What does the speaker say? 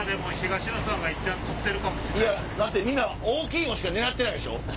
みんな大きいのしか狙ってないでしょ。